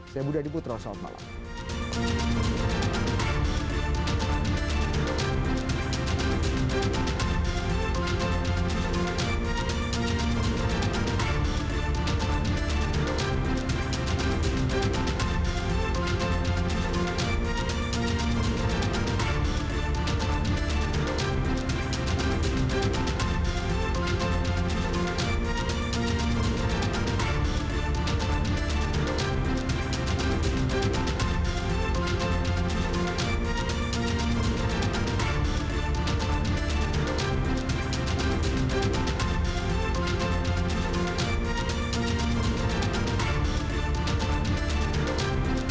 saya budha diputra wassalamu'alaikum warahmatullahi wabarakatuh